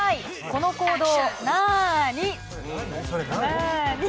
この行動なに？